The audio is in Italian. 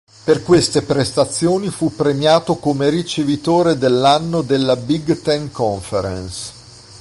Per queste prestazioni fu premiato come ricevitore dell'anno della Big Ten Conference.